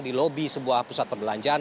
di lobi sebuah pusat perbelanjaan